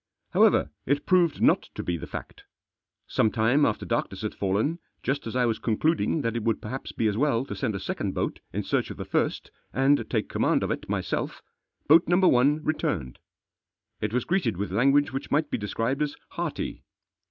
However, it proved not to bti the fact Sometime after darkness had fallen, just as I was concluding that it would perhaps be as well to send a second boat in search of the first, and take command of it myself, boat No. I returned. It was greeted with language Which might be described as hearty.